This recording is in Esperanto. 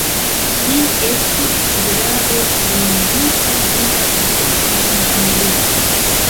Li estis grave vundita dum la dua mondmilito.